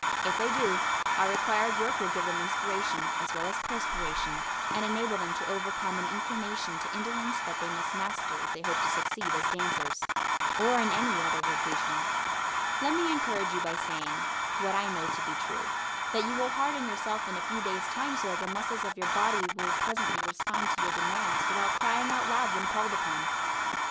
If they do, our required work will give them inspiration, as well as perspiration, and enable them to overcome an inclination to indolence that they must master if they hope to succeed as dancers or in any other vocation. Let me encourage you by saying, what I know to be true, that you will harden yourself in a few days' time so that the muscles of your body will pleasantly respond to your demands without crying out loud when called upon.